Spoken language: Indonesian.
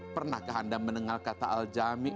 pernahkah anda mendengar kata al jami